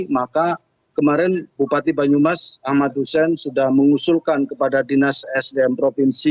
maka kemarin bupati banyumas ahmad hussein sudah mengusulkan kepada dinas sdm provinsi